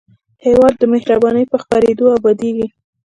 هېواد د مهربانۍ په خپرېدو ابادېږي.